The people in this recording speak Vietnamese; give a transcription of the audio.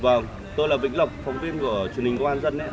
vâng tôi là vĩnh lộc phóng viên của truyền hình công an dân